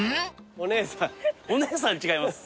お姉さん違います。